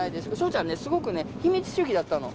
ちゃんね、すごく秘密主義だったの。